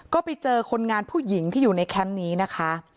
ก็ไปเจอคนงานผู้หญิงที่อยู่ในแคมป์นี้นะคะ